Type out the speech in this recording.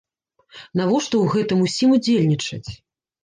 Навошта ў гэтым усім удзельнічаць?